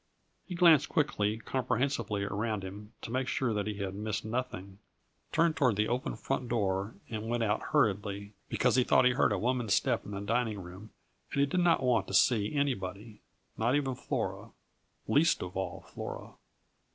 He glanced quickly, comprehensively around him to make sure that he had missed nothing, turned toward the open front door and went out hurriedly, because he thought he heard a woman's step in the dining room and he did not want to see anybody, not even Flora least of all, Flora!